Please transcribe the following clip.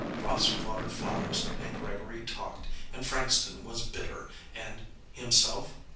Ross watered flowers and Gregory talked and Frankston was bitter and ... himself?